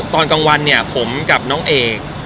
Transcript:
ตอนกลางวันเนี่ยผมกับน้องเอก